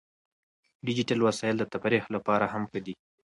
ډیجیټل وسایل د تفریح لپاره هم ښه دي.